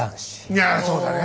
いやそうだね！